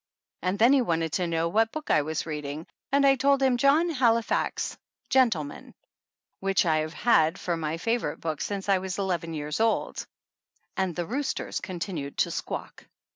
And then he wanted to know what book I was reading and I told him, John Halifax, Gentleman, which I have had for my favorite book since I was eleven years old; and the roosters continued to squawk.